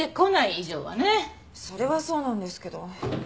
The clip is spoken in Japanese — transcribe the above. それはそうなんですけど。